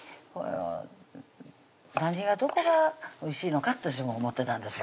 何がどこがおいしいのかって私も思ってたんですよ